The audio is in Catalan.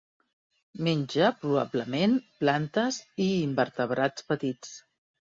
Menja probablement plantes i invertebrats petits.